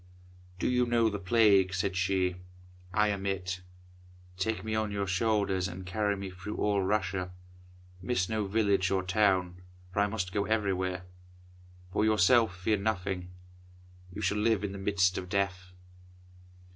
"Do you know the Plague?" said she. "I am it. Take me on your shoulders and carry me through all Russia. Miss no village or town, for I must go everywhere. For yourself fear nothing. You shall live in the midst of death."